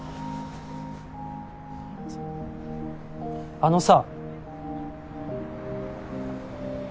あのさ。